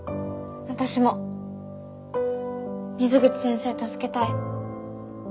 私も水口先生助けたい。